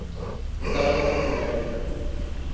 Está hablando en el aire.